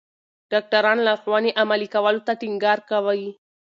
ډاکټران لارښوونې عملي کولو ته ټینګار کوي.